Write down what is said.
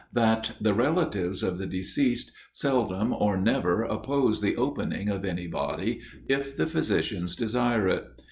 That the relatives of the deceased seldom or never oppose the opening of any body, if the physicians desire it.